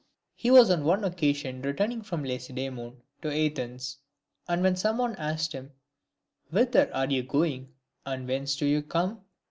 He was on one occasion returning from Lacedaemon to Athens ; and when some one asked him, " Whither are you going, and whence do you come?"